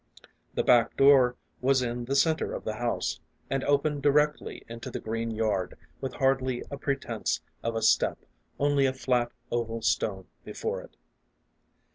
The back door was in the centre of the house, and opened directly into the green yard, with hardly a pretence of a step, only a flat, oval stone before it.